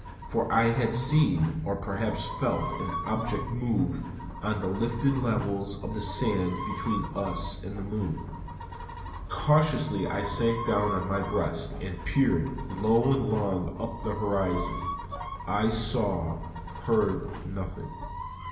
For I had seen, or perhaps felt, an object move on the lifted levels of sand between us and the moon. Cautiously I sank down on my breast and peered low and long up the horizon. I saw, heard nothing.